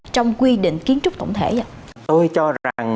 trong quy định kiến trúc tổng thể vậy